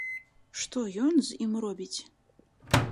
Што ён з ім робіць?